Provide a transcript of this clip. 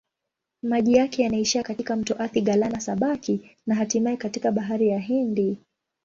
Maji yake yanaishia katika mto Athi-Galana-Sabaki na hatimaye katika Bahari ya Hindi.